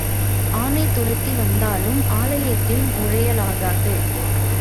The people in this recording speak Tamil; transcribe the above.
ஆனை துரத்தி வந்தாலும் ஆலயத்தில் நுழையலாகாது.